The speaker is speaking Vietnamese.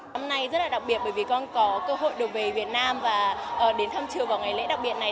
hôm nay rất là đặc biệt bởi vì con có cơ hội được về việt nam và đến thăm trường vào ngày lễ đặc biệt này